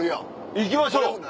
行きましょう！